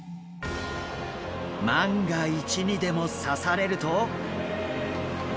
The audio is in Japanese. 万が一にでも刺されると。